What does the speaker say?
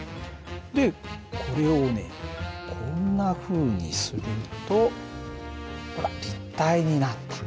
でこれをねこんなふうにするとほら立体になった。